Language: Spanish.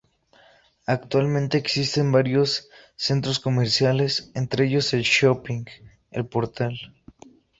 Actualmente existen varios centros comerciales entre ellos el Shopping "El Portal".